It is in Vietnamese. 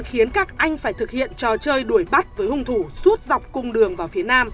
khiến các anh phải thực hiện trò chơi đuổi bắt với hung thủ suốt dọc cung đường vào phía nam